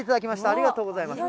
ありがとうございます。